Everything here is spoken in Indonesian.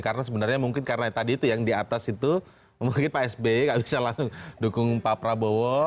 karena sebenarnya mungkin karena tadi itu yang di atas itu mungkin pak sb gak bisa langsung dukung pak prabowo